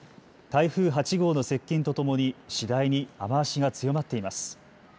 台風８号の接近とともに次第に雨足が強まっています。